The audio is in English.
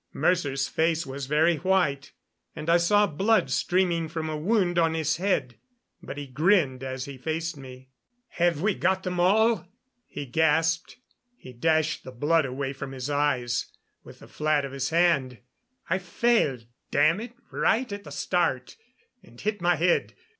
Mercer's face was very white, and I saw blood streaming from a wound on his head; but he grinned as he faced me. "Have we got 'em all?" he gasped. He dashed the blood away from his eyes with the flat of his hand. "I fell damn it right at the start, and hit my head.